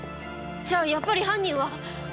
じゃあやっぱり犯人は。